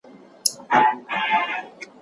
دې کیسې سړي ته نوی فکر ورکړ.